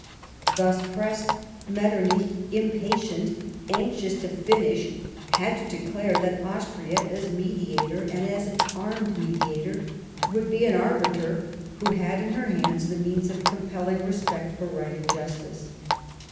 Thus pressed, Metternich, impatient, anxious to finish, had to declare that Austria, as mediator, and iis armed mediator, would be an arbiter who had in her hands the means of compelling respect for right and justice.